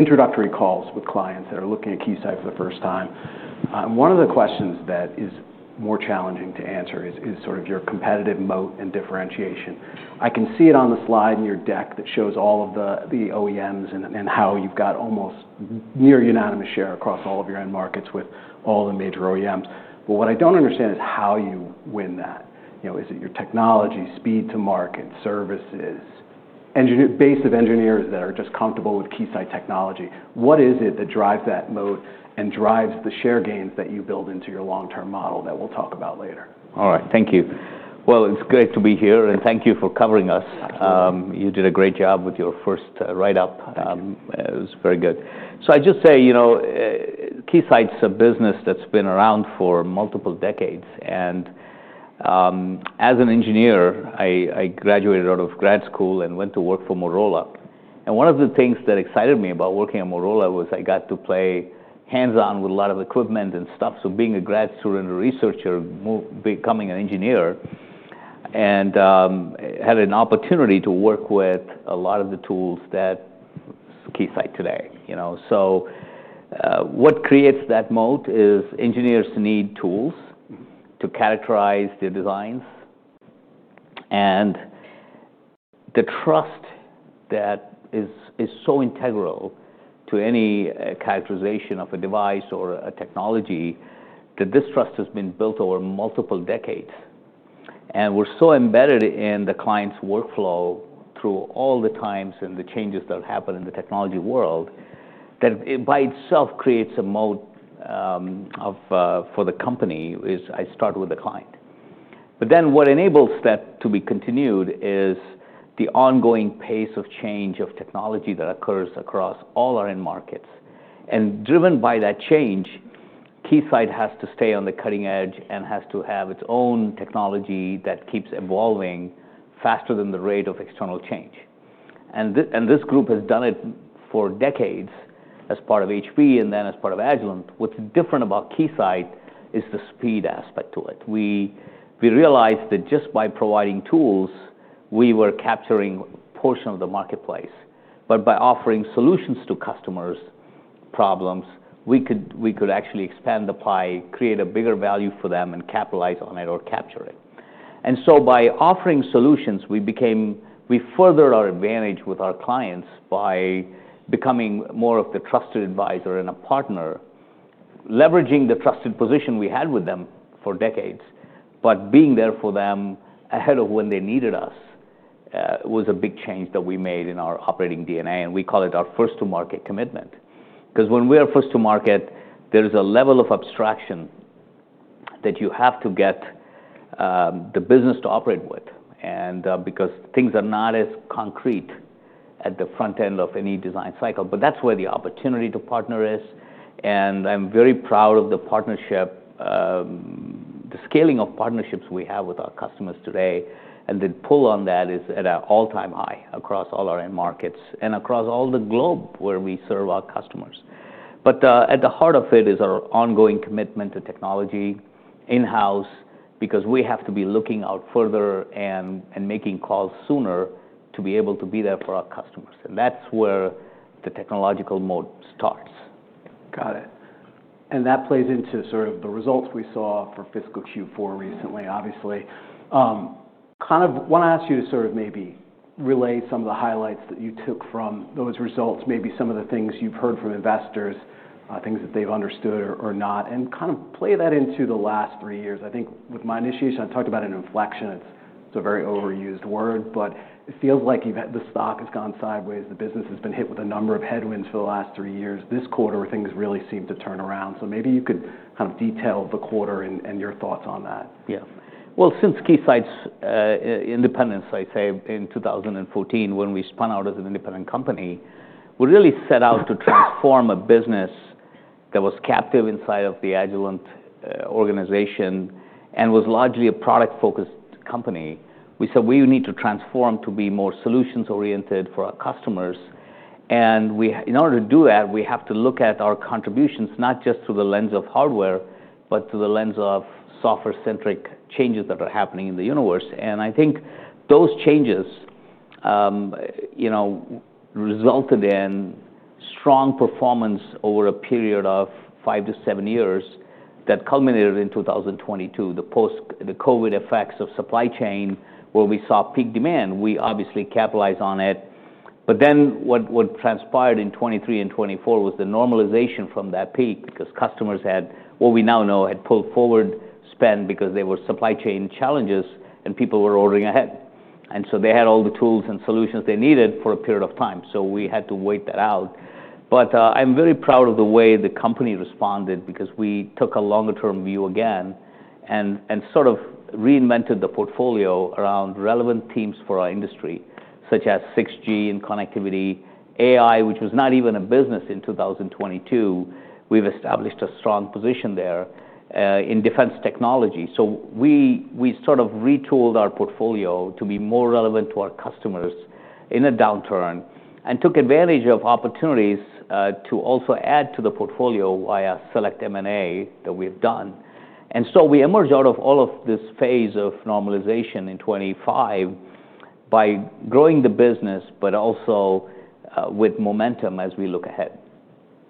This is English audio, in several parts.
Introductory calls with clients that are looking at Keysight for the first time. One of the questions that is more challenging to answer is sort of your competitive moat and differentiation. I can see it on the slide in your deck that shows all of the OEMs and how you've got almost near unanimous share across all of your end markets with all the major OEMs. But what I don't understand is how you win that. Is it your technology, speed to market, services, base of engineers that are just comfortable with Keysight technology? What is it that drives that moat and drives the share gains that you build into your long-term model that we'll talk about later? All right. Thank you. It's great to be here, and thank you for covering us. You did a great job with your first write-up. It was very good. I just say, Keysight's a business that's been around for multiple decades. As an engineer, I graduated out of grad school and went to work for Motorola. One of the things that excited me about working at Motorola was I got to play hands-on with a lot of equipment and stuff. Being a grad student and a researcher, becoming an engineer, and had an opportunity to work with a lot of the tools that Keysight today. What creates that moat is engineers need tools to characterize their designs and the trust that is so integral to any characterization of a device or a technology that this trust has been built over multiple decades. We're so embedded in the client's workflow through all the times and the changes that happen in the technology world that it by itself creates a moat for the company as I start with the client. But then what enables that to be continued is the ongoing pace of change of technology that occurs across all our end markets. Driven by that change, Keysight has to stay on the cutting edge and has to have its own technology that keeps evolving faster than the rate of external change. This group has done it for decades as part of HP and then as part of Agilent. What's different about Keysight is the speed aspect to it. We realized that just by providing tools, we were capturing a portion of the marketplace. But by offering solutions to customers' problems, we could actually expand the pie, create a bigger value for them, and capitalize on it or capture it. And so by offering solutions, we furthered our advantage with our clients by becoming more of the trusted advisor and a partner, leveraging the trusted position we had with them for decades. But being there for them ahead of when they needed us was a big change that we made in our operating DNA. And we call it our first-to-market commitment. Because when we are first-to-market, there is a level of abstraction that you have to get the business to operate with because things are not as concrete at the front end of any design cycle. But that's where the opportunity to partner is. And I'm very proud of the partnership, the scaling of partnerships we have with our customers today. The pull on that is at an all-time high across all our end markets and across all the globe where we serve our customers. But at the heart of it is our ongoing commitment to technology in-house because we have to be looking out further and making calls sooner to be able to be there for our customers. That's where the technological moat starts. Got it. And that plays into sort of the results we saw for Fiscal Q4 recently, obviously. Kind of want to ask you to sort of maybe relay some of the highlights that you took from those results, maybe some of the things you've heard from investors, things that they've understood or not, and kind of play that into the last three years. I think with my initiation, I talked about an inflection. It's a very overused word, but it feels like the stock has gone sideways. The business has been hit with a number of headwinds for the last three years. This quarter, things really seem to turn around. So maybe you could kind of detail the quarter and your thoughts on that. Yeah. Well, since Keysight's independence, I'd say in 2014, when we spun out as an independent company, we really set out to transform a business that was captive inside of the Agilent organization and was largely a product-focused company. We said, "We need to transform to be more solutions-oriented for our customers." And in order to do that, we have to look at our contributions not just through the lens of hardware, but through the lens of software-centric changes that are happening in the universe. And I think those changes resulted in strong performance over a period of five to seven years that culminated in 2022, the COVID effects of supply chain where we saw peak demand. We obviously capitalized on it. But then what transpired in 2023 and 2024 was the normalization from that peak because customers had, what we now know, had pulled forward spend because there were supply chain challenges and people were ordering ahead. And so they had all the tools and solutions they needed for a period of time. So we had to wait that out. But I'm very proud of the way the company responded because we took a longer-term view again and sort of reinvented the portfolio around relevant teams for our industry, such as 6G and connectivity, AI, which was not even a business in 2022. We've established a strong position there in defense technology. So we sort of retooled our portfolio to be more relevant to our customers in a downturn and took advantage of opportunities to also add to the portfolio via select M&A that we've done. And so we emerged out of all of this phase of normalization in 2025 by growing the business, but also with momentum as we look ahead.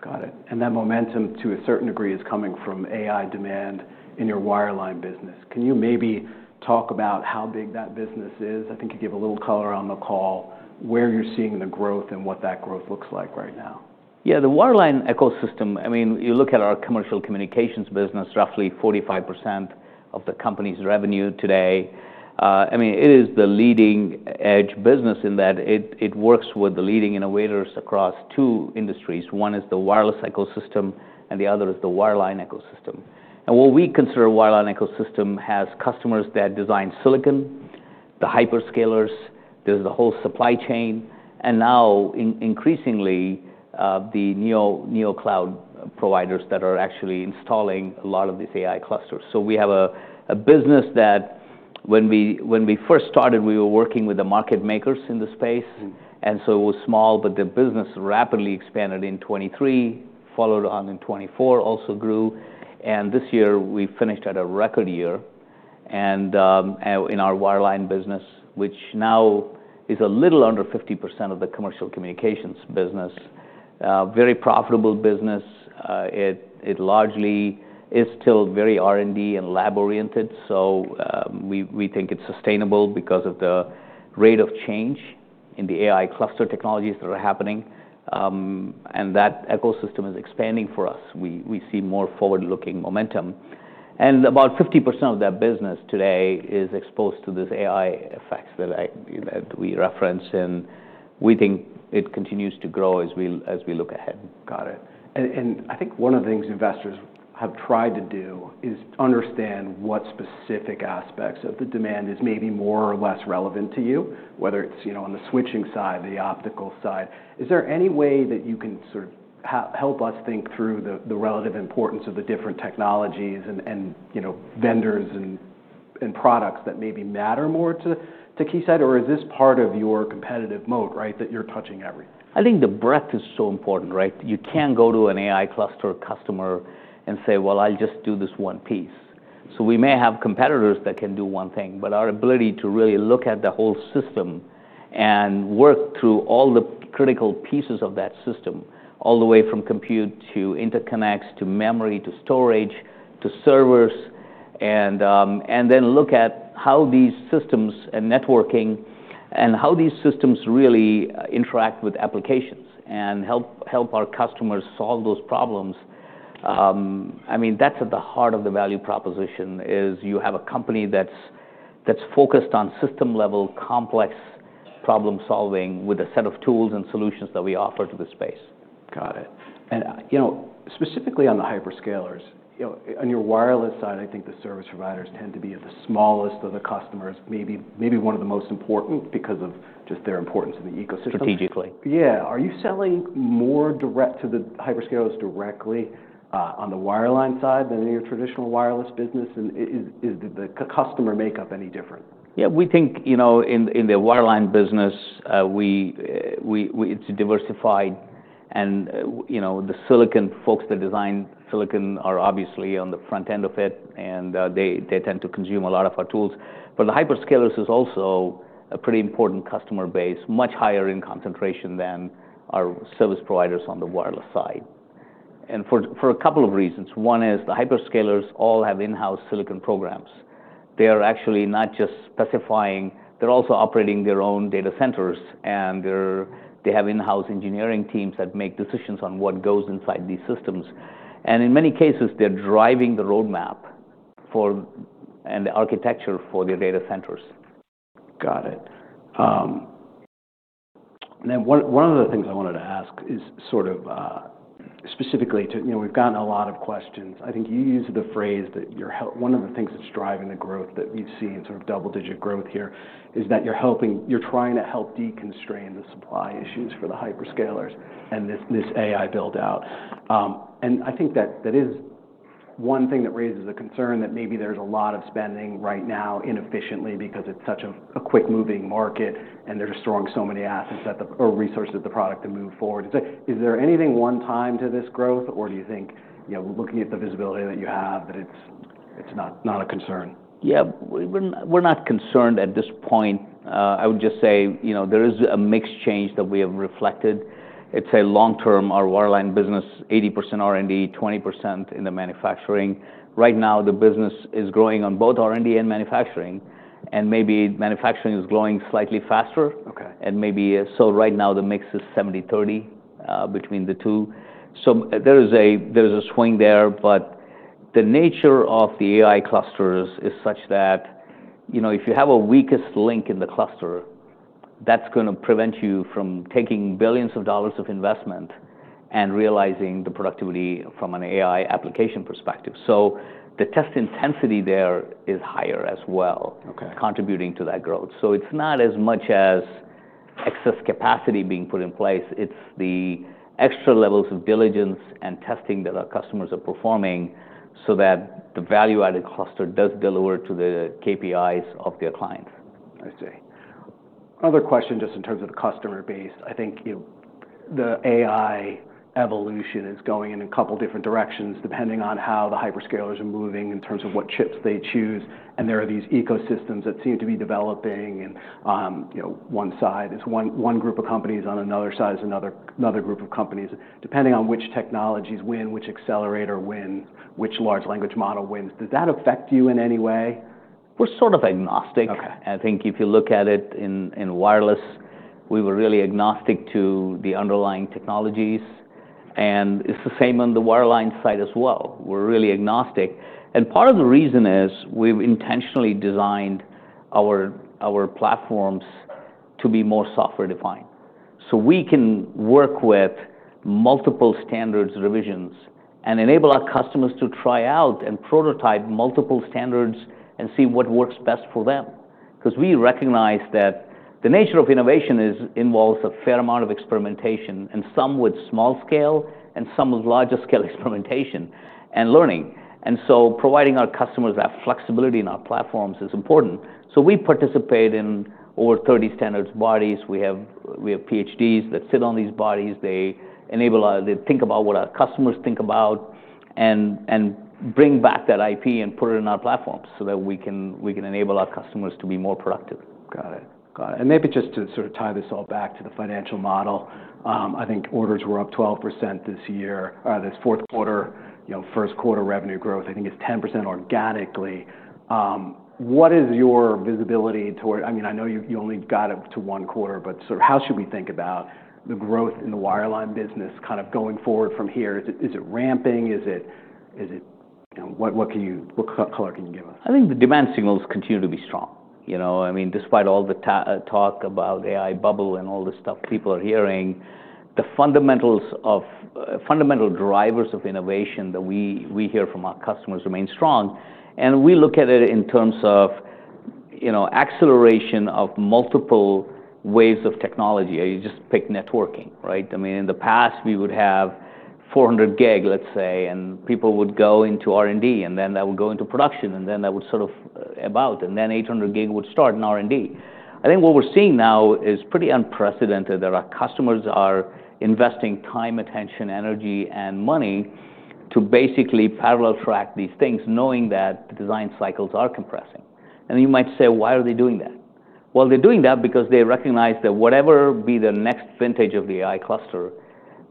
Got it. And that momentum to a certain degree is coming from AI demand in your wireline business. Can you maybe talk about how big that business is? I think you gave a little color on the call, where you're seeing the growth and what that growth looks like right now. Yeah. The wireline ecosystem, I mean, you look at our Commercial Communications business, roughly 45% of the company's revenue today. I mean, it is the leading-edge business in that it works with the leading innovators across two industries. One is the wireless ecosystem, and the other is the wireline ecosystem. And what we consider a wireline ecosystem has customers that design silicon, the hyperscalers. There's the whole supply chain. And now, increasingly, the Neocloud providers that are actually installing a lot of these AI clusters. So we have a business that when we first started, we were working with the market makers in the space. And so it was small, but the business rapidly expanded in 2023, followed on in 2024, also grew. And this year, we finished at a record year in our wireline business, which now is a little under 50% of the Commercial Communications business. Very profitable business. It largely is still very R&D and lab-oriented. So we think it's sustainable because of the rate of change in the AI cluster technologies that are happening. And that ecosystem is expanding for us. We see more forward-looking momentum. And about 50% of that business today is exposed to this AI effects that we reference. And we think it continues to grow as we look ahead. Got it, and I think one of the things investors have tried to do is understand what specific aspects of the demand is maybe more or less relevant to you, whether it's on the switching side, the optical side. Is there any way that you can sort of help us think through the relative importance of the different technologies and vendors and products that maybe matter more to Keysight? Or is this part of your competitive moat, right, that you're touching everything? I think the breadth is so important, right? You can't go to an AI cluster customer and say, "Well, I'll just do this one piece." So we may have competitors that can do one thing, but our ability to really look at the whole system and work through all the critical pieces of that system, all the way from compute to interconnects to memory to storage to servers, and then look at how these systems and networking and how these systems really interact with applications and help our customers solve those problems. I mean, that's at the heart of the value proposition is you have a company that's focused on system-level complex problem-solving with a set of tools and solutions that we offer to the space. Got it. And specifically on the hyperscalers, on your wireless side, I think the service providers tend to be the smallest of the customers, maybe one of the most important because of just their importance in the ecosystem. Strategically. Yeah. Are you selling more direct to the hyperscalers directly on the wireline side than in your traditional wireless business? And is the customer makeup any different? Yeah. We think in the wireline business, it's diversified. And the silicon folks that design silicon are obviously on the front end of it, and they tend to consume a lot of our tools. But the hyperscalers is also a pretty important customer base, much higher in concentration than our service providers on the wireless side. And for a couple of reasons. One is the hyperscalers all have in-house silicon programs. They are actually not just specifying. They're also operating their own data centers, and they have in-house engineering teams that make decisions on what goes inside these systems. And in many cases, they're driving the roadmap and the architecture for their data centers. Got it. And then one of the things I wanted to ask is sort of specifically to we've gotten a lot of questions. I think you used the phrase that one of the things that's driving the growth that we've seen, sort of double-digit growth here, is that you're trying to help deconstrain the supply issues for the hyperscalers and this AI build-out. And I think that is one thing that raises a concern that maybe there's a lot of spending right now inefficiently because it's such a quick-moving market, and they're destroying so many assets or resources of the product to move forward. Is there anything one-time to this growth, or do you think, looking at the visibility that you have, that it's not a concern? Yeah. We're not concerned at this point. I would just say there is a mixed change that we have reflected. It's long-term, our wireline business, 80% R&D, 20% in the manufacturing. Right now, the business is growing on both R&D and manufacturing, and maybe manufacturing is growing slightly faster, and maybe so right now, the mix is 70/30 between the two. So there is a swing there, but the nature of the AI clusters is such that if you have a weakest link in the cluster, that's going to prevent you from taking billions of dollars of investment and realizing the productivity from an AI application perspective. So the test intensity there is higher as well, contributing to that growth, so it's not as much as excess capacity being put in place. It's the extra levels of diligence and testing that our customers are performing so that the value-added cluster does deliver to the KPIs of their clients. I see. Another question just in terms of the customer base. I think the AI evolution is going in a couple of different directions depending on how the hyperscalers are moving in terms of what chips they choose. And there are these ecosystems that seem to be developing. And one side is one group of companies on another side is another group of companies. Depending on which technologies win, which accelerator win, which large language model wins, does that affect you in any way? We're sort of agnostic. I think if you look at it in wireless, we were really agnostic to the underlying technologies. And it's the same on the wireline side as well. We're really agnostic. And part of the reason is we've intentionally designed our platforms to be more software-defined. So we can work with multiple standards revisions and enable our customers to try out and prototype multiple standards and see what works best for them. Because we recognize that the nature of innovation involves a fair amount of experimentation, and some with small-scale and some with larger-scale experimentation and learning. And so providing our customers that flexibility in our platforms is important. So we participate in over 30 standards bodies. We have PhDs that sit on these bodies. They think about what our customers think about and bring back that IP and put it in our platforms so that we can enable our customers to be more productive. Got it. Got it. And maybe just to sort of tie this all back to the financial model, I think orders were up 12% this year. This fourth quarter, first quarter revenue growth, I think is 10% organically. What is your visibility toward? I mean, I know you only got up to one quarter, but sort of how should we think about the growth in the wireline business kind of going forward from here? Is it ramping? What color can you give us? I think the demand signals continue to be strong. I mean, despite all the talk about AI bubble and all this stuff people are hearing, the fundamental drivers of innovation that we hear from our customers remain strong, and we look at it in terms of acceleration of multiple waves of technology. You just pick networking, right? I mean, in the past, we would have 400 gig, let's say, and people would go into R&D, and then that would go into production, and then that would sort of abate, and then 800 gig would start in R&D. I think what we're seeing now is pretty unprecedented that our customers are investing time, attention, energy, and money to basically parallel track these things, knowing that the design cycles are compressing. You might say, "Why are they doing that?" Well, they're doing that because they recognize that whatever be the next vintage of the AI cluster,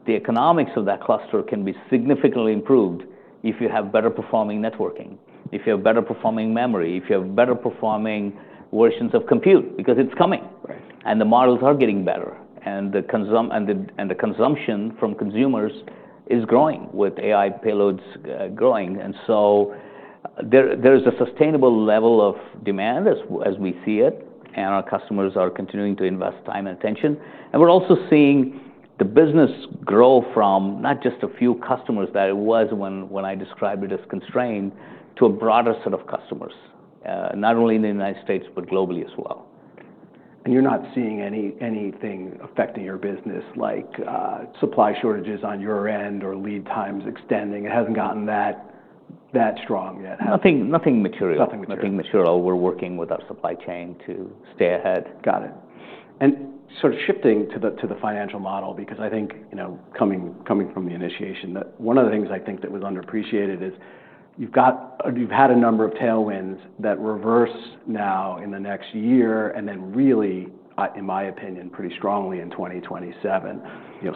the economics of that cluster can be significantly improved if you have better-performing networking, if you have better-performing memory, if you have better-performing versions of compute because it's coming. And the models are getting better. And the consumption from consumers is growing with AI payloads growing. And so there is a sustainable level of demand as we see it. And our customers are continuing to invest time and attention. And we're also seeing the business grow from not just a few customers that it was when I described it as constrained to a broader set of customers, not only in the United States, but globally as well. You're not seeing anything affecting your business, like supply shortages on your end or lead times extending? It hasn't gotten that strong yet. Nothing material. Nothing material. We're working with our supply chain to stay ahead. Got it, and sort of shifting to the financial model, because I think coming from the initiation, one of the things I think that was underappreciated is you've had a number of tailwinds that reverse now in the next year and then really, in my opinion, pretty strongly in 2027,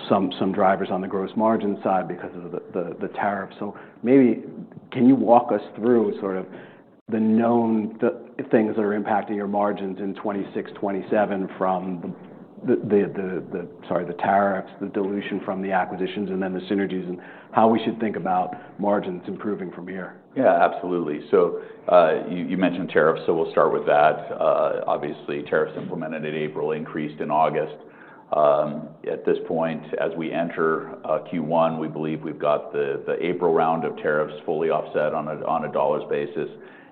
some drivers on the gross margin side because of the tariffs, so maybe can you walk us through sort of the known things that are impacting your margins in 2026, 2027 from the, sorry, the tariffs, the dilution from the acquisitions, and then the synergies, and how we should think about margins improving from here? Yeah, absolutely. So you mentioned tariffs, so we'll start with that. Obviously, tariffs implemented in April, increased in August. At this point, as we enter Q1, we believe we've got the April round of tariffs fully offset on a dollars basis.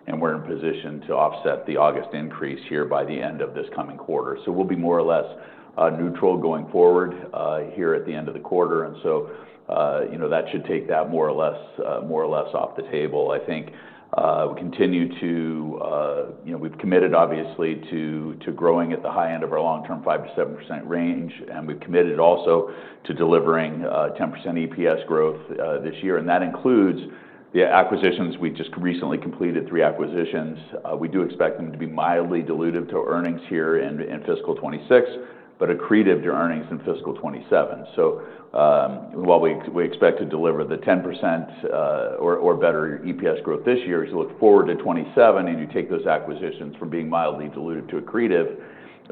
And we're in position to offset the August increase here by the end of this coming quarter. So we'll be more or less neutral going forward here at the end of the quarter. And so that should take that more or less off the table. I think we've committed, obviously, to growing at the high end of our long-term 5%-7% range. And we've committed also to delivering 10% EPS growth this year. And that includes the acquisitions. We just recently completed three acquisitions. We do expect them to be mildly dilutive to earnings here in fiscal 2026, but accretive to earnings in fiscal 2027. While we expect to deliver the 10% or better EPS growth this year, as you look forward to 2027 and you take those acquisitions from being mildly dilutive to accretive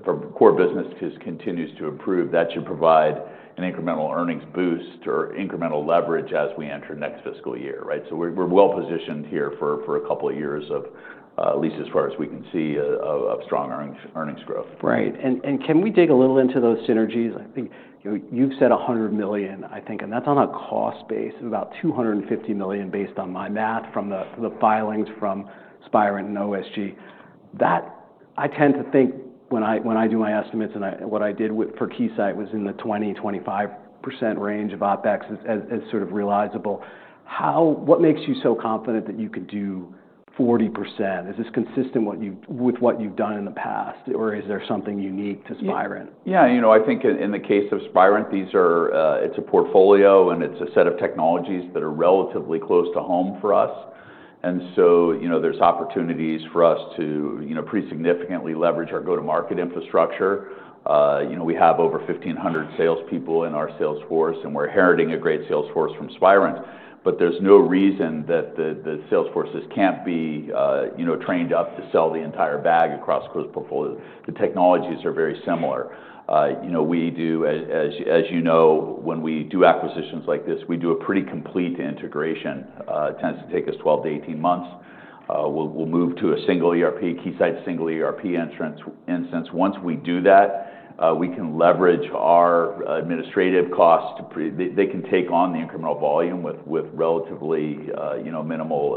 for core businesses continues to improve, that should provide an incremental earnings boost or incremental leverage as we enter next fiscal year, right? We're well positioned here for a couple of years, at least as far as we can see, of strong earnings growth. Right, and can we dig a little into those synergies? I think you've said $100 million, I think, and that's on a cost base of about $250 million based on my math from the filings from Spirent and OSG. I tend to think when I do my estimates and what I did for Keysight was in the 20%-25% range of OpEx as sort of realizable. What makes you so confident that you could do 40%? Is this consistent with what you've done in the past, or is there something unique to Spirent? Yeah. I think in the case of Spirent, it's a portfolio, and it's a set of technologies that are relatively close to home for us. And so there's opportunities for us to pretty significantly leverage our go-to-market infrastructure. We have over 1,500 salespeople in our salesforce, and we're inheriting a great salesforce from Spirent. But there's no reason that the salesforces can't be trained up to sell the entire bag across those portfolios. The technologies are very similar. As you know, when we do acquisitions like this, we do a pretty complete integration. It tends to take us 12-18 months. We'll move to a single ERP, Keysight's single ERP instance. Once we do that, we can leverage our administrative costs. They can take on the incremental volume with relatively minimal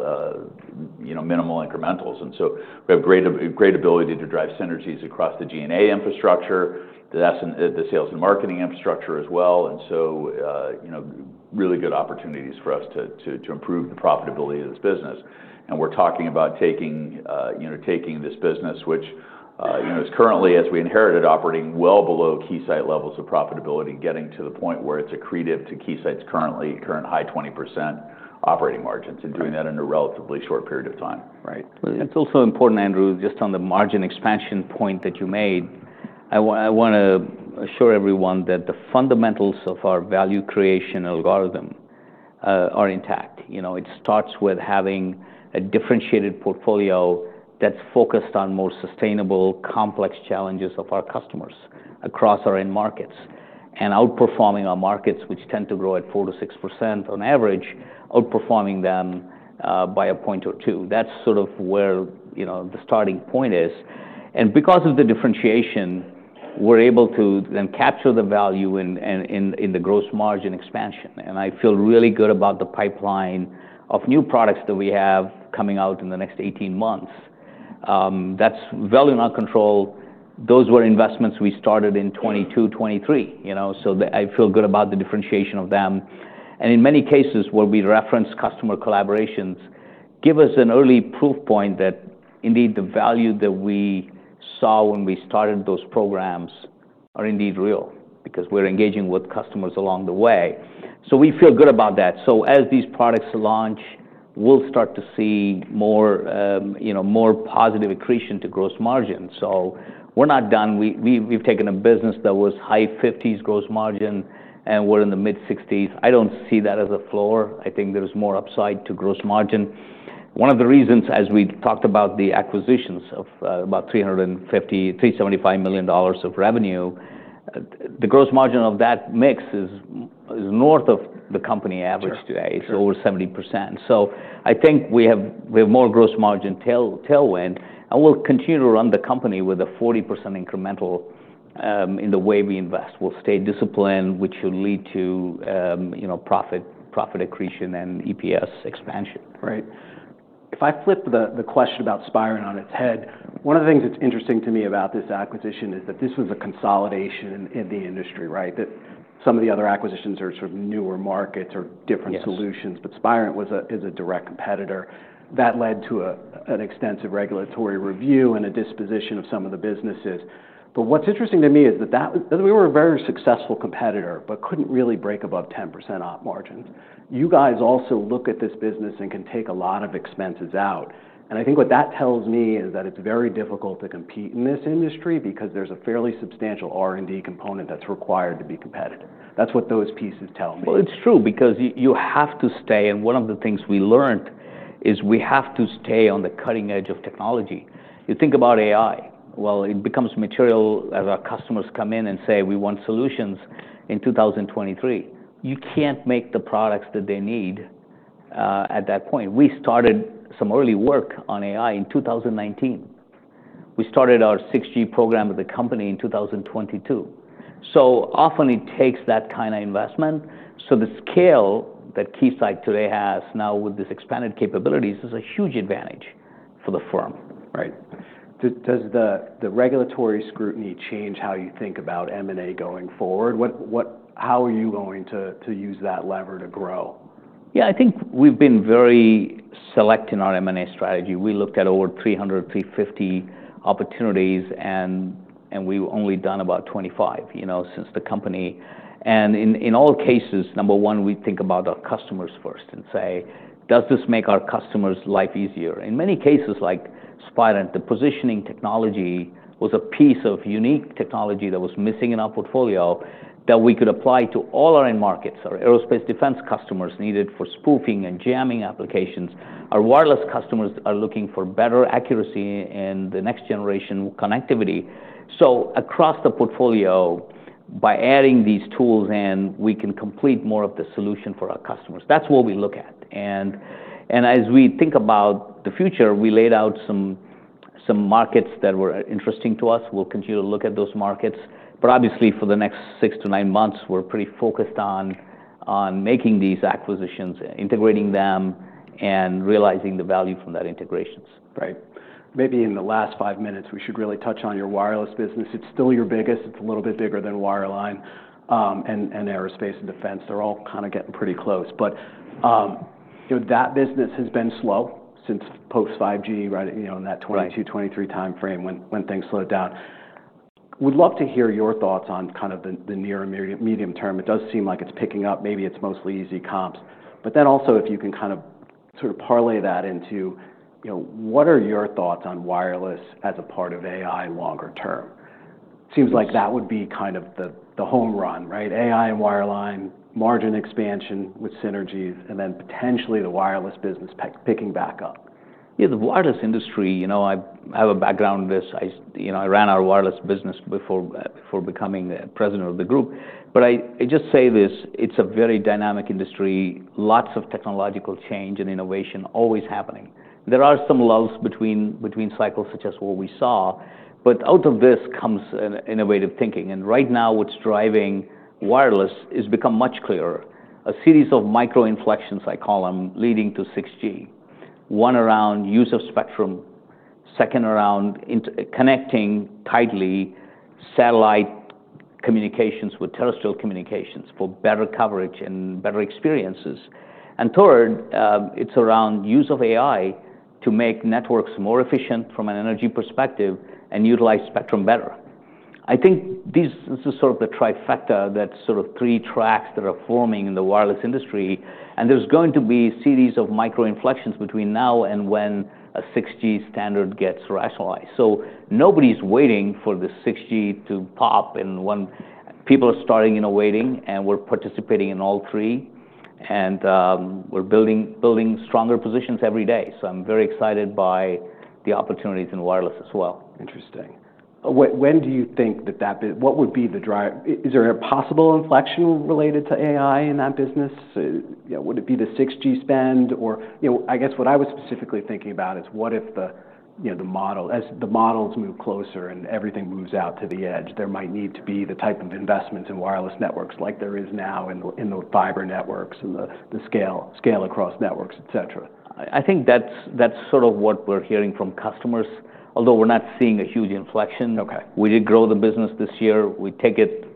incrementals. We have great ability to drive synergies across the G&A infrastructure, the sales and marketing infrastructure as well. Really good opportunities exist for us to improve the profitability of this business. We are talking about taking this business, which is currently, as we inherited, operating well below Keysight levels of profitability, getting to the point where it is accretive to Keysight's current high 20% operating margins and doing that in a relatively short period of time. Right. It's also important, Andrew, just on the margin expansion point that you made, I want to assure everyone that the fundamentals of our value creation algorithm are intact. It starts with having a differentiated portfolio that's focused on more sustainable, complex challenges of our customers across our end markets and outperforming our markets, which tend to grow at 4%-6% on average, outperforming them by a point or two. That's sort of where the starting point is. And because of the differentiation, we're able to then capture the value in the gross margin expansion. And I feel really good about the pipeline of new products that we have coming out in the next 18 months. That's value in our control. Those were investments we started in 2022, 2023. So I feel good about the differentiation of them. And in many cases where we reference customer collaborations, give us an early proof point that indeed the value that we saw when we started those programs are indeed real because we're engaging with customers along the way. So we feel good about that. So as these products launch, we'll start to see more positive accretion to gross margins. So we're not done. We've taken a business that was high-50s gross margin, and we're in the mid-60s. I don't see that as a flaw. I think there's more upside to gross margin. One of the reasons, as we talked about the acquisitions of about $375 million of revenue, the gross margin of that mix is north of the company average today. It's over 70%. So I think we have more gross margin tailwind. And we'll continue to run the company with a 40% incremental in the way we invest. We'll stay disciplined, which will lead to profit accretion and EPS expansion. Right. If I flip the question about Spirent on its head, one of the things that's interesting to me about this acquisition is that this was a consolidation in the industry, right? That some of the other acquisitions are sort of newer markets or different solutions, but Spirent is a direct competitor. That led to an extensive regulatory review and a disposition of some of the businesses. But what's interesting to me is that we were a very successful competitor, but couldn't really break above 10% op margins. You guys also look at this business and can take a lot of expenses out. And I think what that tells me is that it's very difficult to compete in this industry because there's a fairly substantial R&D component that's required to be competitive. That's what those pieces tell me. It's true because you have to stay. One of the things we learned is we have to stay on the cutting edge of technology. You think about AI. It becomes material as our customers come in and say, "We want solutions in 2023." You can't make the products that they need at that point. We started some early work on AI in 2019. We started our 6G program with the company in 2022. Often it takes that kind of investment. The scale that Keysight today has now with these expanded capabilities is a huge advantage for the firm. Right. Does the regulatory scrutiny change how you think about M&A going forward? How are you going to use that lever to grow? Yeah, I think we've been very select in our M&A strategy. We looked at over 300, 350 opportunities, and we've only done about 25 since the company. And in all cases, number one, we think about our customers first and say, "Does this make our customers' life easier?" In many cases like Spirent, the positioning technology was a piece of unique technology that was missing in our portfolio that we could apply to all our end markets. Our Aerospace Defense customers needed for spoofing and jamming applications. Our wireless customers are looking for better accuracy and the next generation connectivity. So across the portfolio, by adding these tools in, we can complete more of the solution for our customers. That's what we look at. And as we think about the future, we laid out some markets that were interesting to us. We'll continue to look at those markets. But obviously, for the next six to nine months, we're pretty focused on making these acquisitions, integrating them, and realizing the value from that integrations. Right. Maybe in the last five minutes, we should really touch on your wireless business. It's still your biggest. It's a little bit bigger than wireline and Aerospace and Defense. They're all kind of getting pretty close, but that business has been slow since post-5G, right, in that 2022, 2023 timeframe when things slowed down. Would love to hear your thoughts on kind of the near and medium term. It does seem like it's picking up, maybe it's mostly easy comps, but then also, if you can kind of sort of parlay that into, what are your thoughts on wireless as a part of AI longer term? Seems like that would be kind of the home run, right? AI and wireline, margin expansion with synergies, and then potentially the wireless business picking back up. Yeah, the wireless industry, I have a background in this. I ran our wireless business before becoming president of the group. But I just say this, it's a very dynamic industry. Lots of technological change and innovation always happening. There are some lulls between cycles such as what we saw. But out of this comes innovative thinking, and right now, what's driving wireless has become much clearer. A series of micro inflections, I call them, leading to 6G, one around use of spectrum, second around connecting tightly satellite communications with terrestrial communications for better coverage and better experiences, and third, it's around use of AI to make networks more efficient from an energy perspective and utilize spectrum better. I think this is sort of the trifecta, that sort of three tracks that are forming in the wireless industry. And there's going to be a series of micro inflections between now and when a 6G standard gets rationalized. So nobody's waiting for the 6G to pop. People are starting in a waiting, and we're participating in all three. And we're building stronger positions every day. So I'm very excited by the opportunities in wireless as well. Interesting. When do you think that that what would be the drive? Is there a possible inflection related to AI in that business? Would it be the 6G spend? Or I guess what I was specifically thinking about is what if the model, as the models move closer and everything moves out to the edge, there might need to be the type of investments in wireless networks like there is now in the fiber networks and the scale across networks, etc. I think that's sort of what we're hearing from customers, although we're not seeing a huge inflection. We did grow the business this year. We take it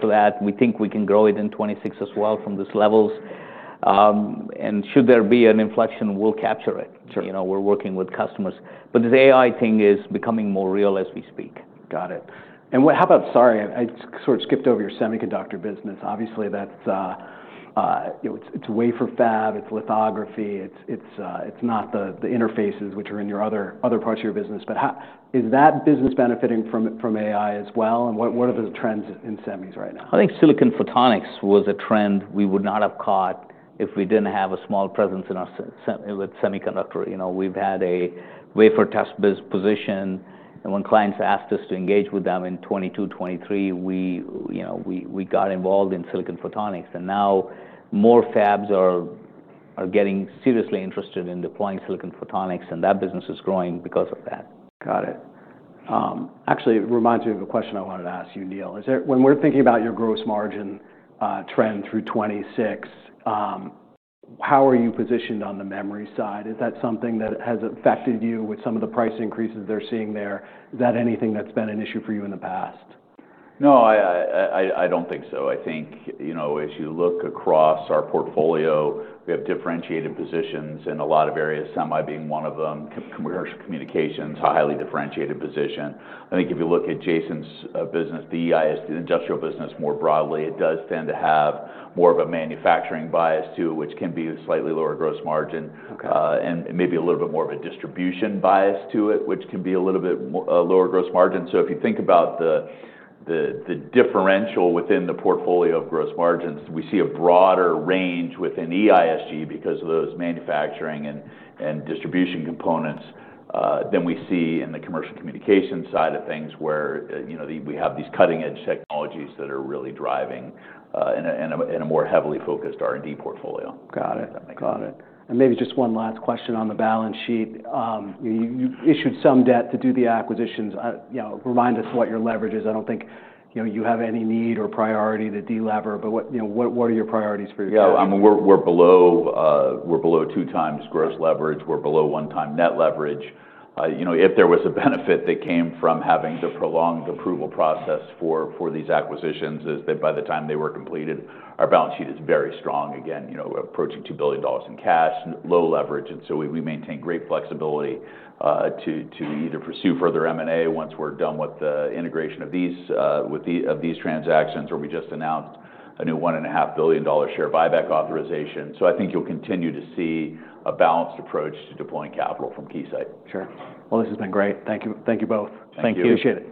for that. We think we can grow it in 2026 as well from these levels, and should there be an inflection, we'll capture it. We're working with customers, but this AI thing is becoming more real as we speak. Got it. And how about, sorry, I sort of skipped over your semiconductor business. Obviously, it's wafer fab, it's lithography, it's not the interfaces which are in your other parts of your business. But is that business benefiting from AI as well? And what are the trends in semis right now? I think silicon photonics was a trend we would not have caught if we didn't have a small presence with semiconductor. We've had a wafer test position. When clients asked us to engage with them in 2022, 2023, we got involved in silicon photonics. Now more fabs are getting seriously interested in deploying silicon photonics, and that business is growing because of that. Got it. Actually, it reminds me of a question I wanted to ask you, Neil. When we're thinking about your gross margin trend through 2026, how are you positioned on the memory side? Is that something that has affected you with some of the price increases they're seeing there? Is that anything that's been an issue for you in the past? No, I don't think so. I think as you look across our portfolio, we have differentiated positions in a lot of areas, semi being one of them, Commercial Communications, a highly differentiated position. I think if you look at Jason's business, the industrial business more broadly, it does tend to have more of a manufacturing bias to it, which can be a slightly lower gross margin, and maybe a little bit more of a distribution bias to it, which can be a little bit lower gross margin. So if you think about the differential within the portfolio of gross margins, we see a broader range within EISG because of those manufacturing and distribution components than we see in the Commercial Communication side of things where we have these cutting-edge technologies that are really driving in a more heavily focused R&D portfolio. Got it. Got it, and maybe just one last question on the balance sheet. You issued some debt to do the acquisitions. Remind us what your leverage is. I don't think you have any need or priority to de-lever, but what are your priorities for your company? Yeah, I mean, we're below two times gross leverage. We're below one time net leverage. If there was a benefit that came from having to prolong the approval process for these acquisitions, is that by the time they were completed, our balance sheet is very strong. Again, we're approaching $2 billion in cash, low leverage. And so we maintain great flexibility to either pursue further M&A once we're done with the integration of these transactions, or we just announced a new $1.5 billion share buyback authorization. So I think you'll continue to see a balanced approach to deploying capital from Keysight. Sure. Well, this has been great. Thank you both. Thank you. Appreciate it.